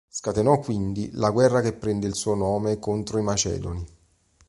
Scatenò quindi la guerra che prende il suo nome contro i Macedoni.